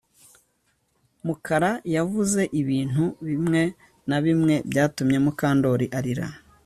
Mukara yavuze ibintu bimwe na bimwe byatumye Mukandoli arira